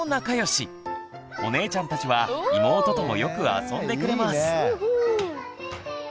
お姉ちゃんたちは妹ともよく遊んでくれます。